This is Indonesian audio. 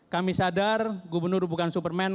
kami sadar gubernur bukan superman